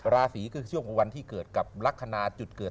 ราศีก็คือช่วงของวันที่เกิดกับลักษณะจุดเกิด